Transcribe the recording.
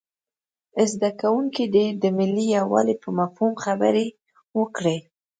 زده کوونکي دې د ملي یووالي په مفهوم خبرې وکړي.